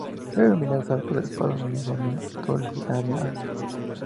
Se denomina salto al paso de una zona tarifaria a otra.